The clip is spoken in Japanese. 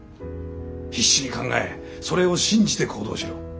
必死に考えそれを信じて行動しろ。